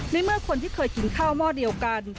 เมื่อคนที่เคยกินข้าวหม้อเดียวกัน